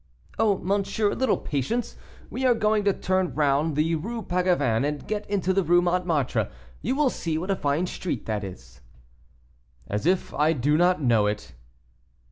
"Oh, monsieur, a little patience; we are going to turn round the Rue Pagavin, and get into the Rue Montmartre you will see what a fine street that is." "As if I do not know it."